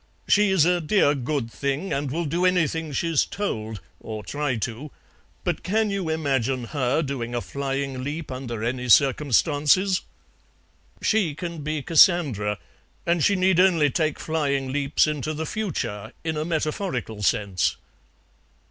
She's a dear good thing, and will do anything she's told, or try to; but can you imagine her doing a flying leap under any circumstances?" "She can be Cassandra, and she need only take flying leaps into the future, in a metaphorical sense."